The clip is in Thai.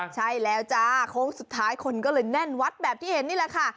ใช่แล้วจ้าโค้งสุดท้ายคนก็เลยแน่นวัดแบบที่เห็นนี่แหละค่ะ